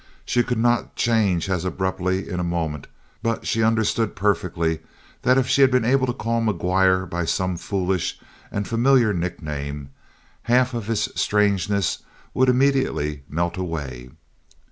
She could not change as abruptly in a moment, but she understood perfectly, that if she had been able to call McGuire by some foolish and familiar nickname, half of his strangeness would immediately melt away.